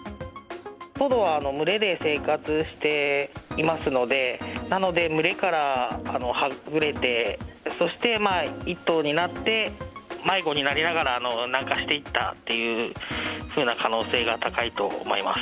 トドは群れで生活していますので、なので群れからはぐれて、そして１頭になって、迷子になりながら南下していったっていうふうな可能性が高いと思います。